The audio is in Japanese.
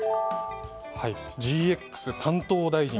ＧＸ担当大臣。